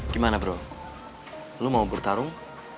gimana bro lo mau bertarung